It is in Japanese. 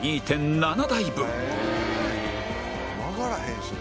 曲がらへんしな。